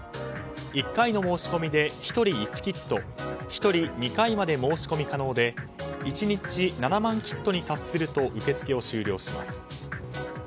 １回の申し込みで１人１キット１人２回まで申し込み可能で１日７万キットに達すると受け付けを終了します。